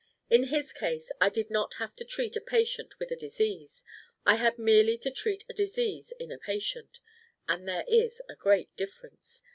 In his case I did not have to treat a patient with a disease; I had merely to treat a disease in a patient: and there is a great difference.